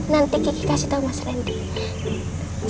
nanti gigi kasih tau mas rendy